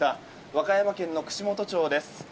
和歌山県の串本町です。